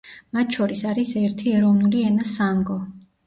მათ შორის არის ერთი ეროვნული ენა სანგო.